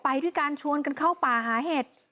ไปด้วยการชวนกันเข้าป่าหาเห็ด